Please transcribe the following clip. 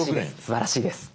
すばらしいです。